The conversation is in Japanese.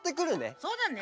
そうだね。